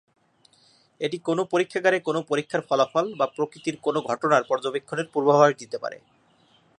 এটি কোনও পরীক্ষাগারে কোনও পরীক্ষার ফলাফল বা প্রকৃতির কোনও ঘটনার পর্যবেক্ষণের পূর্বাভাস দিতে পারে।